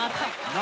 何？